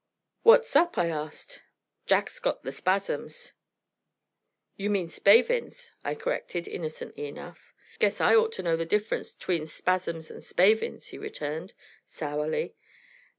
"What's up?" I asked. "Jacks got the spasms." "You mean spavins," I corrected, innocently enough. "Guess I ought to know the difference 'tween spasms and spavins," he returned, sourly.